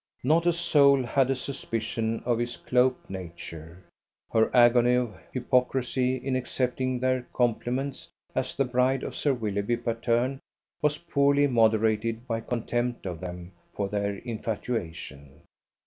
Not a soul had a suspicion of his cloaked nature. Her agony of hypocrisy in accepting their compliments as the bride of Sir Willoughby Patterne was poorly moderated by contempt of them for their infatuation.